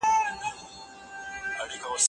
استاد پرون له شاګرد سره یوه مهمه ناسته درلوده.